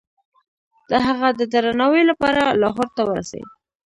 د هغه د درناوي لپاره لاهور ته ورسي.